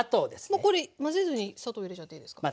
もうこれ混ぜずに砂糖入れちゃっていいですか？